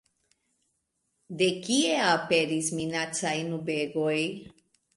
De kie aperis minacaj nubegoj?